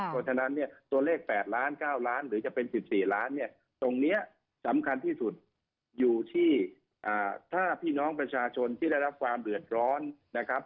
เพราะฉะนั้นเนี่ยตัวเลข๘ล้าน๙ล้านหรือจะเป็น๑๔ล้านเนี่ยตรงนี้สำคัญที่สุดอยู่ที่ถ้าพี่น้องประชาชนที่ได้รับความเดือดร้อนนะครับ